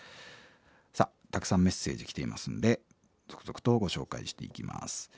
さあたくさんメッセージ来ていますんで続々とご紹介していきます。